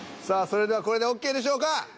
さあそれではこれでＯＫでしょうか？